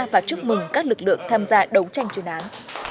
và chúc mừng các lực lượng tham gia đấu tranh chuyên án